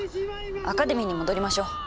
アカデミーに戻りましょう。